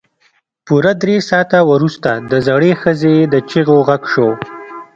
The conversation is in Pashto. پوره درې ساعته وروسته د زړې ښځې د چيغو غږ شو.